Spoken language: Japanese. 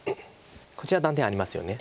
こちら断点ありますよね。